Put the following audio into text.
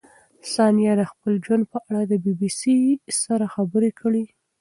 ثانیه د خپل ژوند په اړه د بي بي سي سره خبرې کړې.